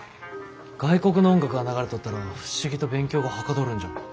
外国の音楽が流れとったら不思議と勉強がはかどるんじゃ。